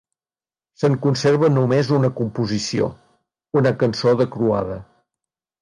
Se'n conserva només una composició: una cançó de croada.